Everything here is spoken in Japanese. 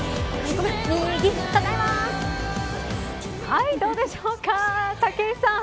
はい、どうでしょうか。